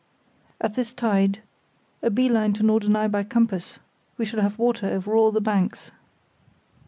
"At this tide, a bee line to Norderney by compass; we shall have water over all the banks."